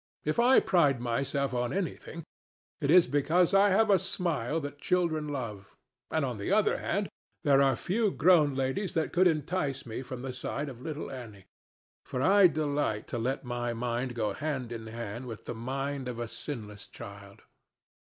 If I pride myself on anything, it is because I have a smile that children love; and, on the other hand, there are few grown ladies that could entice me from the side of little Annie, for I delight to let my mind go hand in hand with the mind of a sinless child.